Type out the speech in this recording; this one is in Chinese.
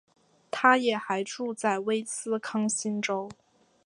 她也还住在威斯康星州。